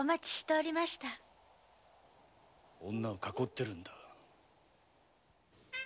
女を囲ってるんだ。